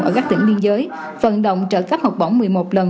ở các tỉnh biên giới phận động trợ cắp học bổng một mươi một lần